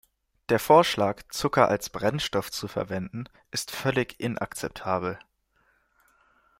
Der Vorschlag, Zucker als Brennstoff zu verwenden, ist völlig inakzeptabel.